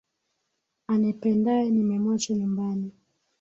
Anipendaye nimemwacha nyumbani